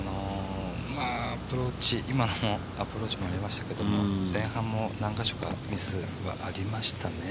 今のアプローチもありましたけど、前半も何カ所かミスはありましたね。